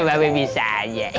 bapak bisa aja